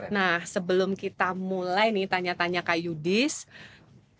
nah sebelum kita mulai nih tanya tanya kak yudhistira